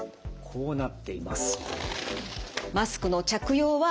こうなっています。